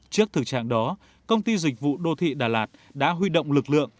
trước thực trạng đó công ty dịch vụ đô thị đà lạt đã huy động lực lượng